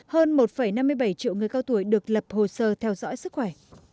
hơn một năm mươi bảy triệu người cao tuổi được lập hồ sơ theo dõi sức khỏe